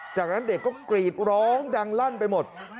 จากนั้นเด็กก็กรีดร้องดังลั่นไปหมด